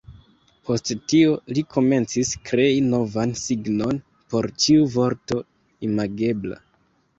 Post tio, li komencis krei novan signon por ĉiu vorto imagebla.